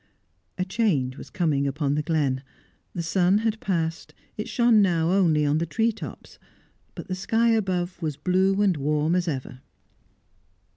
A change was coming upon the glen. The sun had passed; it shone now only on the tree tops. But the sky above was blue and warm as ever.